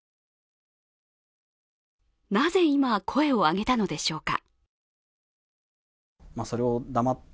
なぜ今、声を上げたのでしょうか。